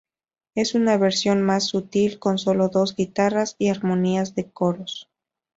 Es una versión más sutil, con sólo dos guitarras y armonías de coros.